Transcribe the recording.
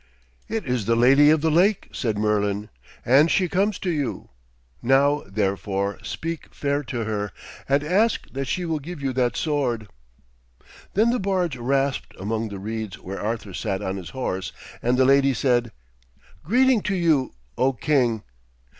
'It is the Lady of the Lake,' said Merlin, 'and she comes to you. Now, therefore, speak fair to her, and ask that she will give you that sword.' Then the barge rasped among the reeds where Arthur sat on his horse, and the lady said: 'Greeting to you, O king!'